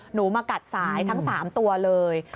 หนูมากัดสายทั้ง๓ตัวเลย